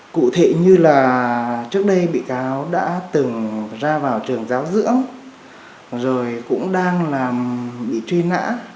cụ thể như là trước đây bị cáo đã từng ra vào trường giáo dưỡng rồi cũng đang làm bị truy nã